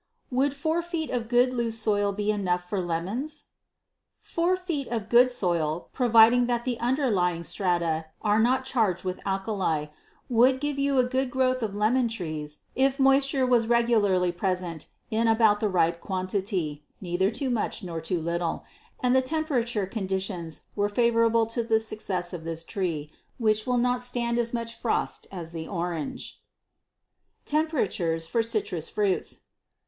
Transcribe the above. Would four feet of good loose soil be enough for lemons? Four feet of good soil, providing the underlying strata are not charged with alkali, would give you a good growth of lemon trees if moisture was regularly present in about the right quantity, neither too much nor too little, and the temperature conditions were favorable to the success of this tree, which will not stand as much frost as the orange. Temperatures for Citrus Fruits.